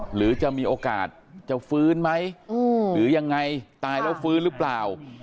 หรือจะมีโอกาสจะฟื้นไหมหรือยังไงตายแล้วฟื้นหรือเปล่า